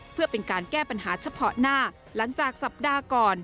เพื่อเป็นการแก้ปัญหาเฉพาะหน้าหลังจากสัปดาห์ก่อน